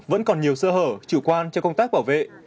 vẫn còn nhiều sơ hở chủ quan cho công tác bảo vệ